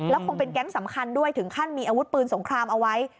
คงเป็นแก๊งสำคัญด้วยถึงขั้นมีอาวุธปืนสงครามเอาไว้